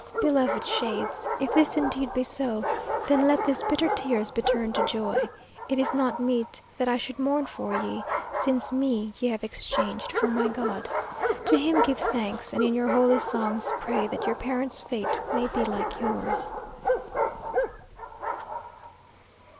Beloved shades! if this indeed be so, Then let these bitter tears be turned to joy. It is not meet that I should mourn for ye, Since me ye have exchanged for my God. To Him give thanks! and in your holy songs, Pray that your parents' fate may be like yours."